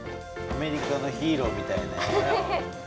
アメリカのヒーローみたいやね。